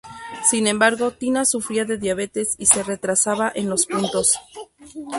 Sin embargo, Tina sufría de diabetes y se retrasaba en los puntos.